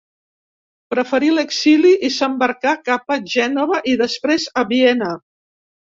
Preferí l'exili, i s'embarcà cap a Gènova, i després a Viena.